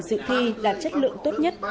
dự thi đạt chất lượng tốt nhất